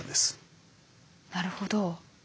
なるほど。